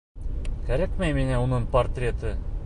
Кәрәкмәй миңә уның портреты.